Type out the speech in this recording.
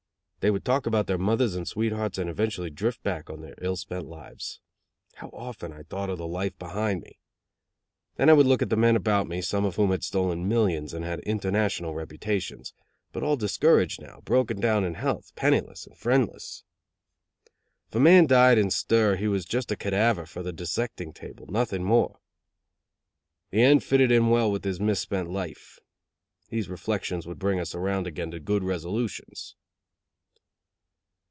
They would talk about their mothers and sweethearts and eventually drift back on their ill spent lives. How often I thought of the life behind me! Then I would look at the men about me, some of whom had stolen millions and had international reputations but all discouraged now, broken down in health, penniless and friendless. If a man died in stir he was just a cadaver for the dissecting table, nothing more. The end fitted in well with his misspent life. These reflections would bring us around again to good resolutions.